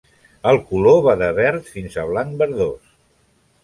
El color va de verd fins a blanc verdós.